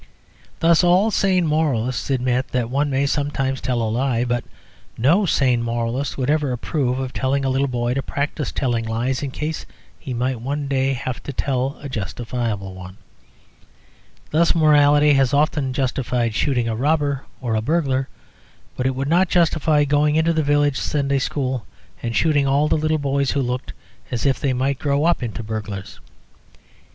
Thus, all sane moralists admit that one may sometimes tell a lie; but no sane moralist would approve of telling a little boy to practise telling lies, in case he might one day have to tell a justifiable one. Thus, morality has often justified shooting a robber or a burglar. But it would not justify going into the village Sunday school and shooting all the little boys who looked as if they might grow up into burglars.